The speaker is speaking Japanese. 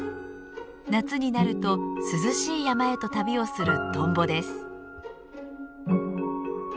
夏になると涼しい山へと旅をするトンボです。